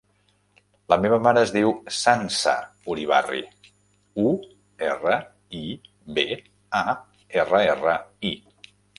La meva mare es diu Sança Uribarri: u, erra, i, be, a, erra, erra, i.